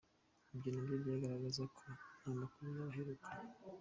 Ibyo na byo byagaragaza ko nta makuru yaba aherukaho.